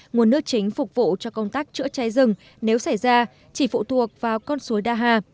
nguồn nước chính phục vụ cho công tác chữa cháy rừng nếu xảy ra chỉ phụ thuộc vào con suối đa hà